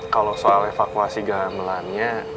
kalau soal evakuasi gamelannya